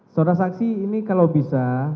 saudara saksi ini kalau bisa